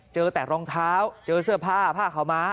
เจอแต่รองเท้าเจอเสื้อผ้าผ้าขาวม้า